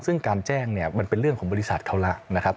ซึ่งการแจ้งเนี่ยมันเป็นเรื่องของบริษัทเขาแล้วนะครับ